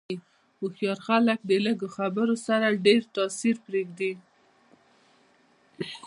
هوښیار خلک د لږو خبرو سره ډېر تاثیر پرېږدي.